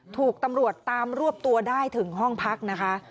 ถูกตำรวจตามรวบตัวได้ถึงห้องพักนะคะ